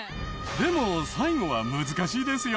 でも最後は難しいですよ。